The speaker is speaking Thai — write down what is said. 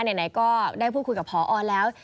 ไหนก็ได้พูดคุยกับพอแล้ว